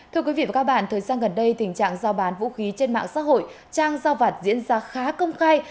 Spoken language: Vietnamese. thưa quý vị và các bạn thời gian gần đây tình trạng giao bán vũ khí trên mạng xã hội trang giao vặt diễn ra khá công khai